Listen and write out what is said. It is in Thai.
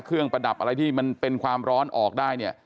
ประดับอะไรที่มันเป็นความร้อนออกได้เนี่ย